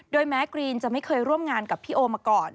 แม้กรีนจะไม่เคยร่วมงานกับพี่โอมาก่อน